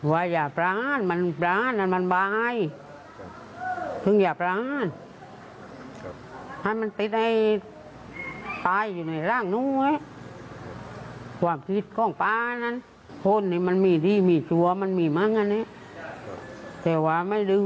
ว่าอย่าปล้านมันปล้านมันมันบายถึงอย่าปล้านถ้ามันติดในตายอยู่ในร่างนู้นเว้ยความทิศของปล้านนั้นคนนี้มันมีดีมีจัวมันมีมั้งอันนี้แต่ว่าไม่รู้